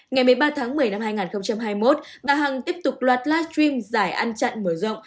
ngày một mươi ba tháng một mươi năm hai nghìn hai mươi một bà hằng tiếp tục loạt livestream giải ăn chặn mở rộng